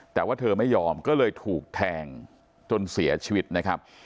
แต่ว่าเธอไม่ยอมก็เลยถูกแทงจนเสียชีวิตนะครับ